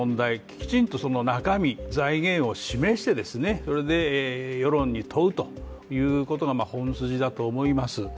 きちんと中身、財源を示してそれで世論に問うということが本筋だと思います。